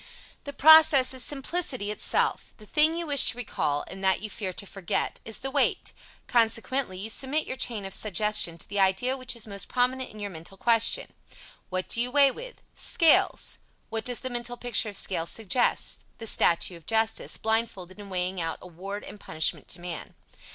The process is simplicity itself. The thing you wish to recall, and that you fear to forget, is the weight; consequently you cement your chain of suggestion to the idea which is most prominent in your mental question. What do you weigh with? Scales. What does the mental picture of scales suggest? The statue of Justice, blindfolded and weighing out award and punishment to man.